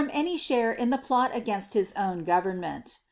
181 riiare in the plot against his own government.